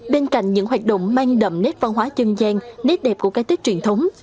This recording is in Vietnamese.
bên cạnh những hoạt động mang đậm nét văn hóa dân gian nét đẹp của cái tết truyền thống